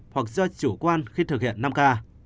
hoặc do chủ quan khi thực hiện năm k